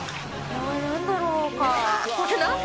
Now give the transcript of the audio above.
これ何だろうか？